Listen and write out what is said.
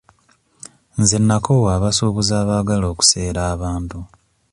Nze nnakoowa abasuubuzi abaagala okuseera abantu.